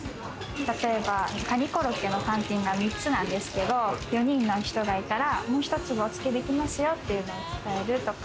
例えばカニコロッケの単品は３つなんですけれども、４人の人がいたら、もう１つおつけできますよというのを伝えるとか。